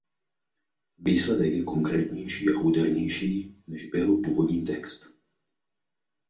Výsledek je konkrétnější a údernější, než byl původní text.